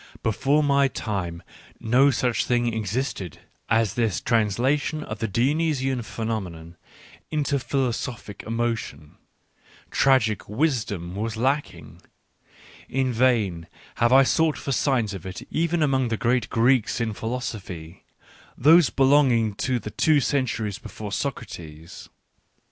Before my time no such thingexisted as this transla tion of the Dionysian phenomenon into philosophic emotion : tragic wisdom was lacking ; in vain have I sought for signs of it even among the great Greeks in philosophy — those belonging to the two centuries before Socrates.